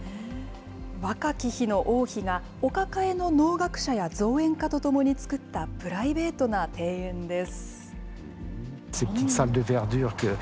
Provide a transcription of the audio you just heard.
若き日の王妃が、お抱えの農学者や造園家と共に作ったプライベートな庭園です。